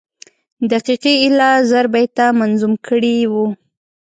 دقیقي ایله زر بیته منظوم کړي وو.